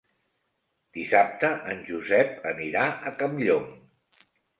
Dissabte en Josep anirà a Campllong.